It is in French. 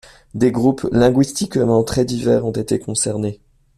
Des groupes linguistiquement très divers ont été concernés.